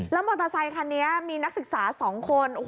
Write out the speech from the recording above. และมอเตอร์ไซค์ทันเนี้ยมีนักศึกษาสองคน